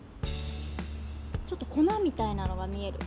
ちょっと粉みたいなのが見える。